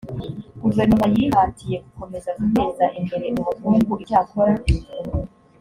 guverinoma yihatiye gukomeza guteza imbere ubukungu icyakora